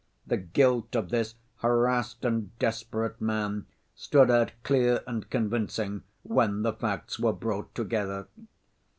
The guilt of this harassed and desperate man stood out clear and convincing, when the facts were brought together.